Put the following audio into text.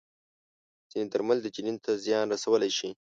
ځینې درمل د جنین ته زیان رسولی شي.